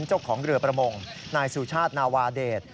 เจ้าของเรือประมงนายสุชาตินาวาเดช